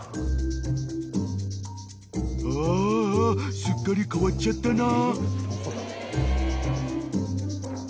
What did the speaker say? ［ああすっかり変わっちゃったな］